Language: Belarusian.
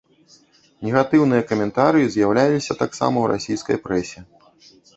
Негатыўныя каментарыі з'яўляліся таксама ў расійскай прэсе.